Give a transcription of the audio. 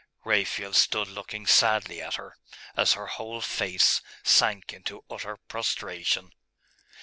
Raphael stood looking sadly at her, as her whole face sank into utter prostration.